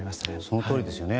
そのとおりですね。